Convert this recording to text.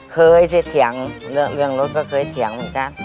เคยสิเถียงเรื่องรถก็เคยเถียงเหมือนกัน